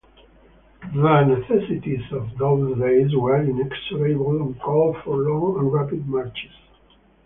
The necessities of those days were inexorable and called for long and rapid marches.